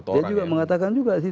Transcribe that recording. dia juga mengatakan juga